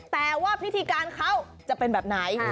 แต่ว่าพิธีการเขาจะเป็นแบบไหน